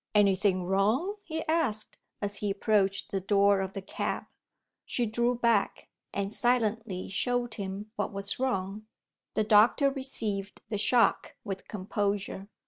"Anything wrong?" he asked, as he approached the door of the cab. She drew back, and silently showed him what was wrong. The doctor received the shock with composure.